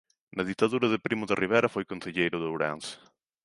Na ditadura de Primo de Rivera foi concelleiro de Ourense.